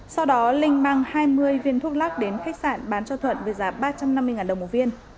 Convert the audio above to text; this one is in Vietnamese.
sau đó linh mang hai mươi viên thuốc lắc đến khách sạn bán cho thuận với giá ba trăm năm mươi đồng một viên